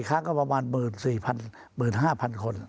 ครั้งก็ประมาณ๑๔๐๐๕๐๐คน